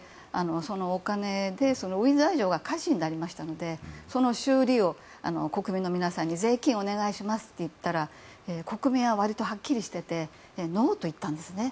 そのお金でウィンザー城が火事になりましたのでその修理を国民の皆さんにお願いしますと言ったら国民は割とはっきりしていてノーと言ったんです。